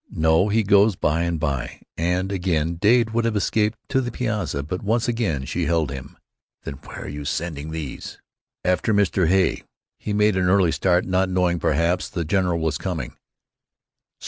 "No, he goes by and by." And again Dade would have escaped to the piazza, but once again she held him. "Then where are you sending these?" "After Mr. Hay. He made an early start not knowing perhaps, the general was coming."